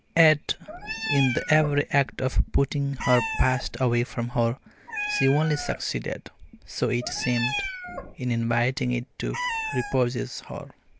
Yet, in the very act of putting her past away from her, she only succeeded, so it seemed, in inviting it to repossess her.